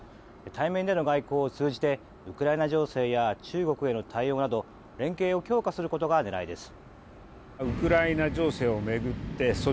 対面での外交を通じてウクライナ情勢や中国への対応など連携を強化することが狙いです。